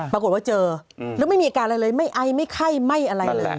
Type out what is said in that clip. ปรากฏว่าเจอแล้วไม่มีอาการอะไรเลยไม่ไอไม่ไข้ไม่อะไรเลย